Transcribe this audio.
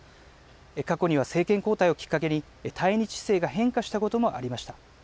過去には政権交代をきっかけに、対日姿勢が変化したこともありました。